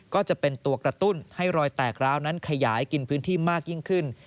ก็จะเป็นตัวกระตุ้นให้รอยแตกร้าวนั้นขยายกินพื้นที่มากยิ่งขึ้น